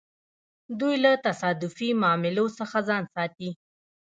دوی له تصادفي معاملو څخه ځان ساتي.